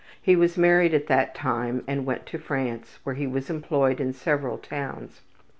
He was married at that time and went to France, where he was employed in several towns.